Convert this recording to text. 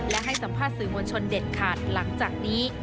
และให้สัมภาษณ์สื่อมวลชนเด็ดขาดหลังจากนี้